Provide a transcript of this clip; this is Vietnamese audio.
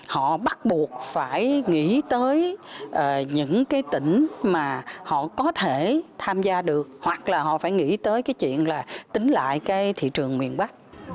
họ bắt buộc phải nghĩ tới những cái tỉnh mà họ có thể tham gia được hoặc là họ phải nghĩ tới cái chuyện là tính lại cái thị trường miền bắc